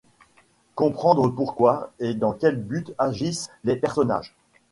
Comprendre pourquoi et dans quel but agissent les personnages.